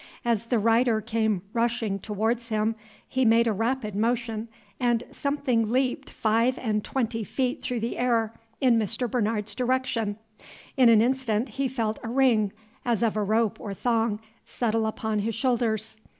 As the rider came rushing towards him, he made a rapid motion and something leaped five and twenty feet through the air, in Mr. Bernard's direction. In an instant he felt a ring, as of a rope or thong, settle upon his shoulders.